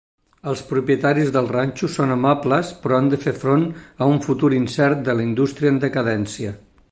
Els propietaris del ranxo són amables però han de fer front a un futur incert de la indústria en decadència.